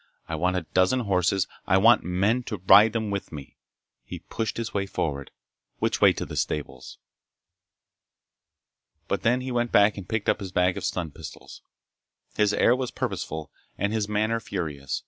"I want a dozen horses. I want men to ride them with me." He pushed his way forward. "Which way to the stables?" But then he went back and picked up his bag of stun pistols. His air was purposeful and his manner furious.